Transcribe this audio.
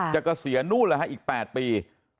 แต่ก็เสียนู้นแล้วฮะอีก๘ปี๒๕๗๔